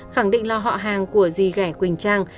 khẳng định là họ hàng của dì gẻ quỳnh trang